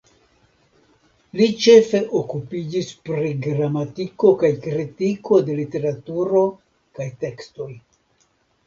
Li ĉefe okupiĝis pri gramatiko kaj kritiko de literaturo kaj tekstoj.